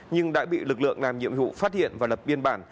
nhưng đã bị lực lượng làm nhiệm vụ phát hiện và lập biên bản